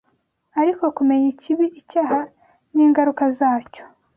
ariko kumenya ikibi, icyaha n’ingaruka zacyo